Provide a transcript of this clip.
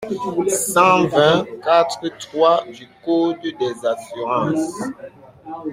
cent vingt-quatre-trois du code des assurances.